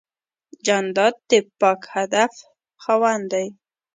جانداد د پاک هدف خاوند دی.